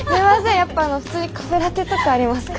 やっぱあの普通にカフェラテとかありますか？